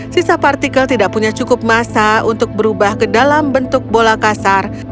sisa partikel tidak punya cukup masa untuk berubah ke dalam bentuk bola kasar